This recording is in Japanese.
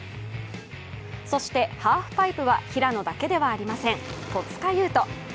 そしてハーフパイプは、平野だけではありません、戸塚優斗。